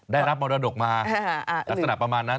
ได้รับมรดกมาลักษณะประมาณนั้น